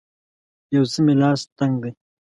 یو څه مې لاس تنګ دی